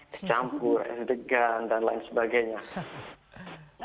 tercampur degang dan lain sebagainya